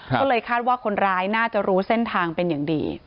ก็เลยคาดว่าคนร้ายน่าจะรู้เส้นทางเป็นอย่างดี